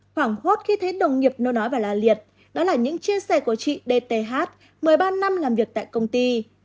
khoảng hốt khi thấy đồng nghiệp nôn nói và la liệt đó là những chia sẻ của chị d t h một mươi ba năm làm việc tại công ty